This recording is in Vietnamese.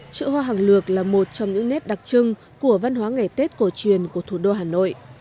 chợ hoa hàng lược là một trong những nét đặc trưng của văn hóa ngày tết cổ truyền của thủ đô hà nội